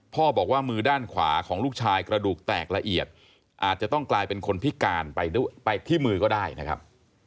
พ่อบอกว่ามือด้านขวาของลูกชายกระดูกแตกละเอียดอาจจะต้องกลายเป็นคนพิการไปที่มือก็ได้นะครับ